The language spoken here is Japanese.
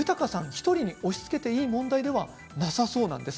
１人に押しつけていい問題ではなさそうなんです。